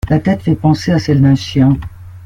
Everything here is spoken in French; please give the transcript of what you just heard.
La tête fait penser à celle d'un chien.